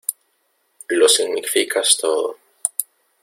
lo significas todo.